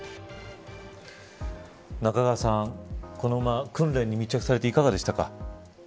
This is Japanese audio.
中川さんこの訓練に密着されていかがでしたか。